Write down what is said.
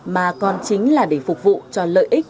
mà còn chính là để phục vụ cho lợi ích